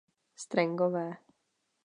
Strengové.